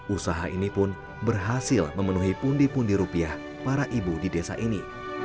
usaha ini pun berhasil memenuhi pundi pundi rupiah para ibu di desa ini